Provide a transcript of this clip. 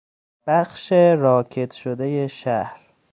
بخش راکد شدهی شهر